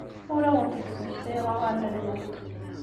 Ur awent-d-smektayeɣ aɣanen-nwent.